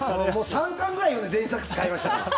３巻ぐらい読んで電子サックス買いました。